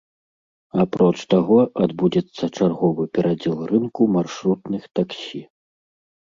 Апроч таго, адбудзецца чарговы перадзел рынку маршрутных таксі.